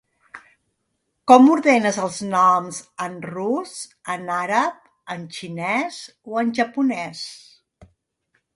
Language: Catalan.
Com ordenes els noms en rus, en àrab, en xinès o en japonès?